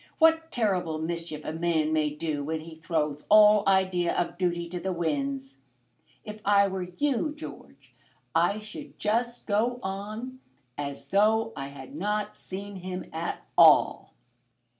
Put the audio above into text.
What terrible mischief a man may do when he throws all idea of duty to the winds! If I were you, George, I should just go on as though I had not seen him at all."